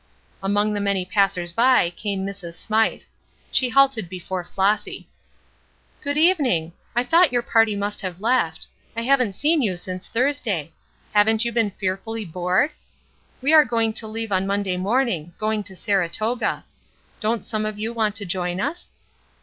Among the many passers by came Mrs. Smythe. She halted before Flossy. "Good evening. I thought your party must have left. I haven't seen you since Thursday. Haven't you been fearfully bored? We are going to leave on Monday morning going to Saratoga. Don't some of you want to join us?